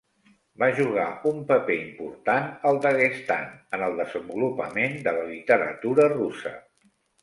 Va jugar un paper important al Daguestan en el desenvolupament de la literatura russa.